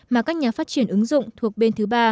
mà các nhà phát triển ứng dụng thuộc bên thứ ba